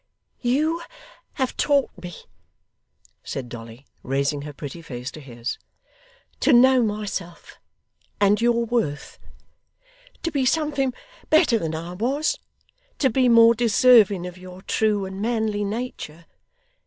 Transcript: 'You have taught me,' said Dolly, raising her pretty face to his, 'to know myself, and your worth; to be something better than I was; to be more deserving of your true and manly nature.